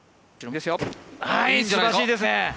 すばらしいですね。